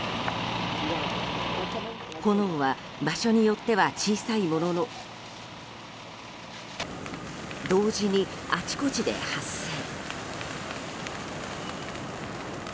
炎は場所によっては小さいものの同時に、あちこちで発生。